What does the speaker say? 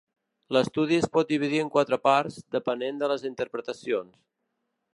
L'estudi es pot dividir en quatre parts, depenent de les interpretacions.